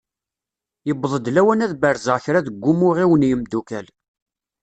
Yewweḍ-d lawan ad berzeɣ kra deg umuɣ-iw n yemdukal.